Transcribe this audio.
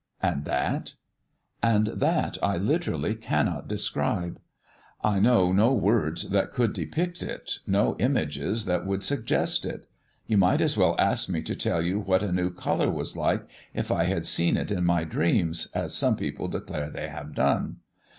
"And that?" "And that I literally cannot describe. I know no words that could depict it, no images that could suggest it; you might as well ask me to tell you what a new colour was like if I had seen it in my dreams, as some people declare they have done.